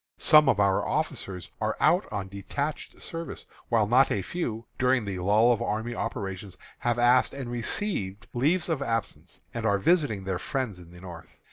Some of our officers are out on detached service, while not a few, during the lull of army operations, have asked and received leaves of absence, and are visiting their friends in the North.